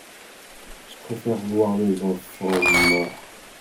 je préfère voir mes enfants morts.